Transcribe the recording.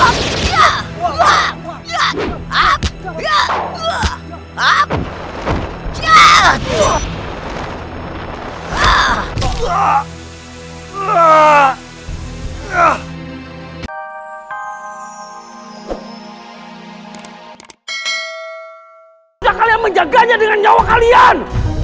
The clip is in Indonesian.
sudah kalian menjaganya dengan nyawa kalian